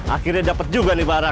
akhirnya dapat juga nih barang